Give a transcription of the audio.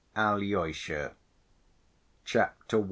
Alyosha Chapter I.